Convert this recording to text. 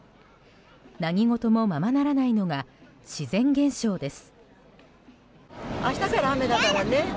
何事もままならないのが自然現象です。